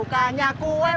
saya sih ini